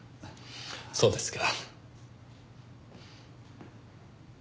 そうですか。